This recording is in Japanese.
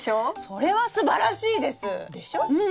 それはすばらしいです！でしょ？